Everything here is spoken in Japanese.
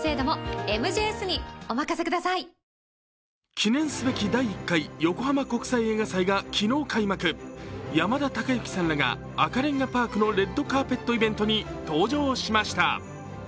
記念すべき第１回横浜国際映画祭が昨日、開幕、山田孝之さんらが赤レンガパークのレッドカーペットイベントに登場しました。